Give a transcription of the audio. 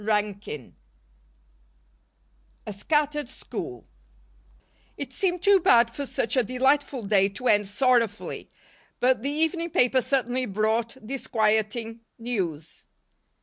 CHAPTER XVI A Scattered School IT seemed too bad for such a delightful day to end sorrowfully, but the evening paper certainly brought disquieting news.